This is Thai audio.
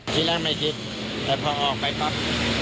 ที่แรกไม่คิดแต่พอออกไปปั๊บ